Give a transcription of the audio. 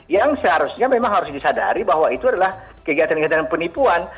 yang seharusnya memang harus disadari bahwa itu adalah kegiatan kegiatan penipuan